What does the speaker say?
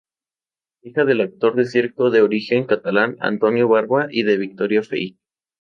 Hija del actor de circo de origen catalán Antonio Barba y de Victoria Feito.